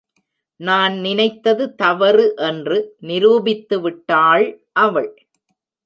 நான் நினைத்தது தவறு என்று நிரூபித்து விட்டாள் அவள்.